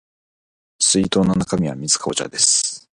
水筒の中身は水かお茶です